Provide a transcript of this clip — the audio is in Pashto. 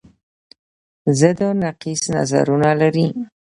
ضد و نقیص نظرونه لري